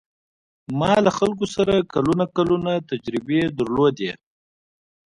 ما له خلکو سره کلونه کلونه تجربې درلودې.